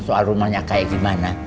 soal rumahnya kayak gimana